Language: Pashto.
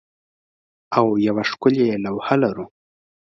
او یوه ښکلې لوحه لرو